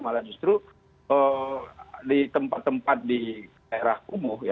malah justru di tempat tempat di daerah kumuh